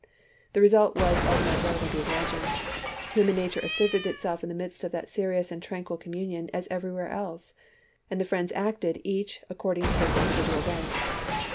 The result was as might readily be imagined. Human nature asserted itself in the midst of that serious and tranquil communion as everywhere else, and the Friends acted each accord ing to his individual bent.